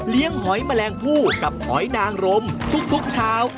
เลี้ยงหอยแมลงผู้กับหอยนางรมทุกชาว